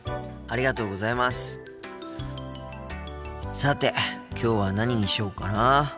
さてきょうは何にしようかなあ。